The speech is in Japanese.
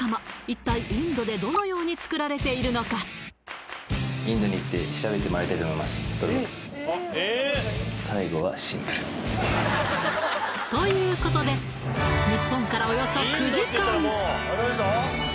一体インドでどのように作られているのか？ということで日本からおよそ９時間